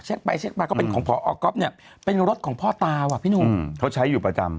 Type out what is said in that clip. ไปเช็คมาก็เป็นของพอก๊อฟเนี่ยเป็นรถของพ่อตาว่ะพี่หนุ่มเขาใช้อยู่ประจำ